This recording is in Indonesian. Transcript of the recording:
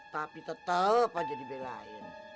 tapi tetep aja dibelain